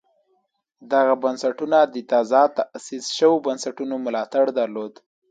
دغه بنسټونه د تازه تاسیس شویو بنسټونو ملاتړ درلود